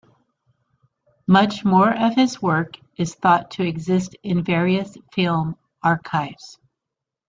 Much more of his work is thought to exist in various film archives.